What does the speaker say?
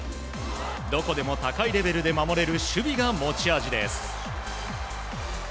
どこでも高いレベルで守れる守備が持ち味です。